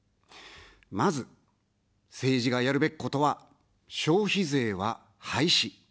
まず、政治がやるべきことは、消費税は廃止。